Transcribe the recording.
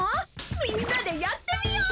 みんなでやってみよう！